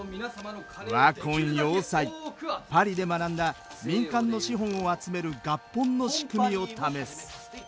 パリで学んだ民間の資本を集める合本の仕組みを試す。